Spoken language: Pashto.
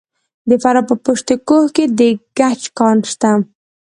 د فراه په پشت کوه کې د ګچ کان شته.